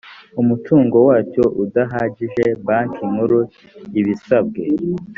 umutungo wacyo udahagije banki nkuru ibisabwe